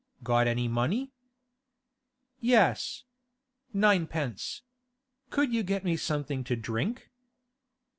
'Got any money?' 'Yes. Ninepence. Could you get me something to drink?